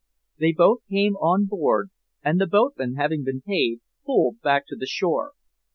They both came on board, and the boatman, having been paid, pulled back to the shore.